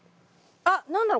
あっ何だろ？